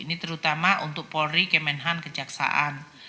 ini terutama untuk polri kemenhan kejaksaan